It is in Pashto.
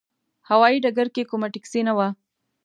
هوايي ډګر کې کومه ټکسي نه وه.